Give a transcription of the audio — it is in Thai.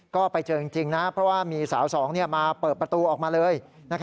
ก็ไปเจอจริงนะเพราะว่ามีสาวสองมาเปิดประตูออกมาเลย